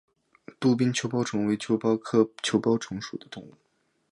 杜宾球孢虫为球孢科球孢虫属的动物。